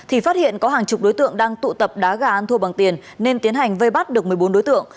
thì phát hiện có hàng chục đối tượng đang tụ tập đá gà ăn thua bằng tiền nên tiến hành vây bắt được một mươi bốn đối tượng